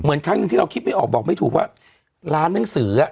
ครั้งหนึ่งที่เราคิดไม่ออกบอกไม่ถูกว่าร้านหนังสืออ่ะ